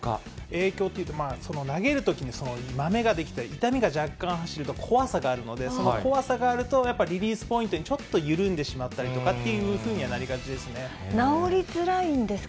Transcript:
影響というと、投げるときにまめが出来たり、痛みが若干走ると怖さがあるので、その怖さがあると、やっぱりリリースポイントにちょっと緩んでしまったりとかってい治りづらいんですか？